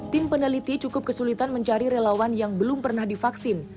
tim peneliti cukup kesulitan mencari relawan yang belum pernah divaksin